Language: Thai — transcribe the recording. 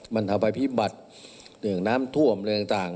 มันทำให้ผิดบัสไม่อย่างน้ำท่วมโดยต่าง